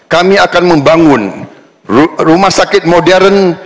kami akan membangun rumah sakit modern